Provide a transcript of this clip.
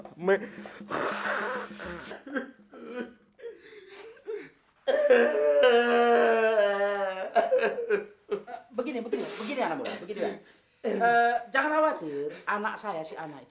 tadi yang gini apa yang ini